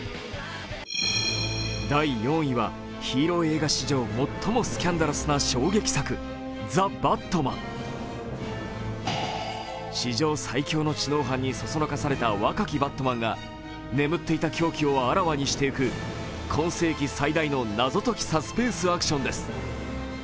第４位はヒーロー映画史上最もスキャンダラスな衝撃作「ＴＨＥＢＡＴＭＡＮザ・バットマン」史上最狂の知能犯にそそのかされた若きバットマンが眠っていた狂気をあらわにしていく今世紀最大の謎解きサスペンスアクションです。